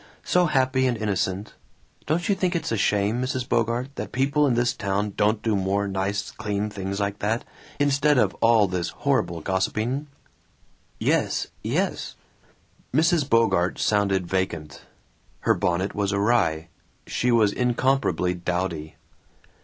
So happy and innocent. Don't you think it's a shame, Mrs. Bogart, that people in this town don't do more nice clean things like that, instead of all this horrible gossiping?" "Yes. ... Yes." Mrs. Bogart sounded vacant. Her bonnet was awry; she was incomparably dowdy.